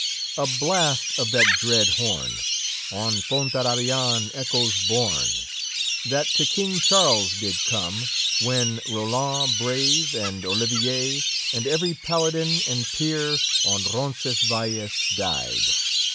a blast of that dread horn, On Fontarabian echoes borne, That to King Charles did come, When Rowland brave, and Olivier, And every paladin and peer, On Roncesvalles died."